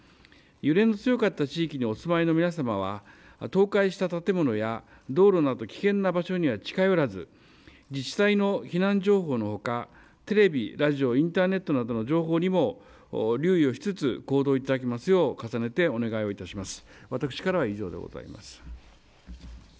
揺れの強かった地域にお住まいの皆様は倒壊した建物や道路など危険な場所には近寄らず自治体の避難情報のほかテレビ、ラジオ、インターネットなどの情報にも留意をしつつ行動いただきますようを重ねてお願いをいたします。